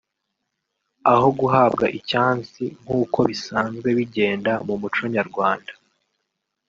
aho guhabwa ‘icyansi’ nk’uko bisanzwe bigenda mu muco Nyarwanda